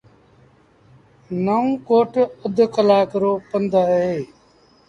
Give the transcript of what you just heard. نئون ڪوٽ اڌ ڪلآڪ رو پند اهي